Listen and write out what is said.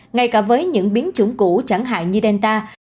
ngay cả với những biến chủng cũ chẳng hạn như delta